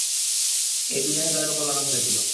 এই দুনিয়ায়ও তাদের উপর লানত হয়েছিল।